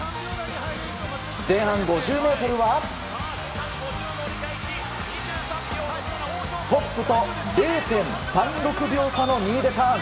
前半５０メートルはトップと０．３６秒差の２位でターン。